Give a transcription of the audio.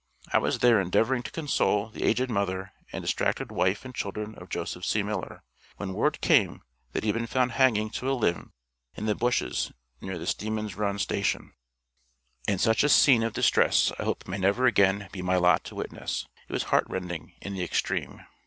I was there endeavoring to console the aged mother and distracted wife and children of Joseph C. Miller, when word came that he had been found hanging to a limb in the bushes near Stemen's Run station, and such a scene of distress I hope may never again be my lot to witness; it was heart rending in the extreme.